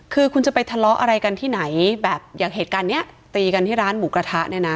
คือคุณจะไปทะเลาะอะไรกันที่ไหนแบบอย่างเหตุการณ์เนี้ยตีกันที่ร้านหมูกระทะเนี่ยนะ